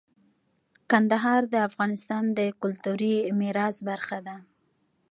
کندهار د افغانستان د کلتوري میراث برخه ده.